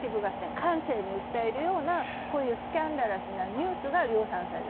感性に訴えるようなスキャンダラスなニュースが量産される。